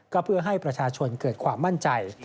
ก็เพื่อให้ประชาชนเกิดความมั่นใจ